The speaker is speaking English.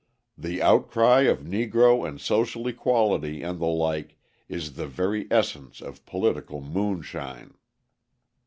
The outcry of Negro and social equality and the like is the very essence of political moonshine.